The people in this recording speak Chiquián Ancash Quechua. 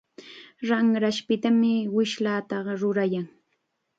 Ramrashpitam wishllataqa rurayan.